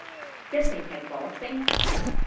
一定係火星